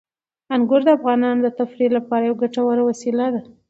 انګور د افغانانو د تفریح لپاره یوه ګټوره وسیله ده.